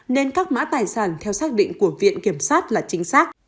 nên các mã tài sản theo xác định của viện kiểm sát là chính xác